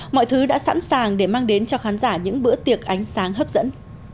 mọi thứ đã sẵn sàng để mang đến cho khán giả những bữa tiệc ánh sáng hấp dẫn